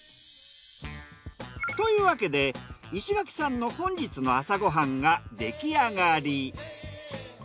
というわけで石垣さんの本日の朝ご飯が出来上がり。